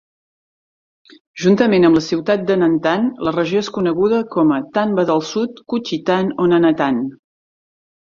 Juntament amb la ciutat de Nantan, la regió és coneguda com a Tanba del Sud, Kuchitan o Nanatan.